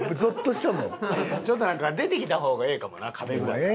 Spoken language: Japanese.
ちょっと出てきた方がええかもな壁ぐらいから。